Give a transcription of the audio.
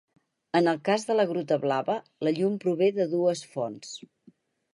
En el cas de la Gruta Blava, la llum prové de dues fonts.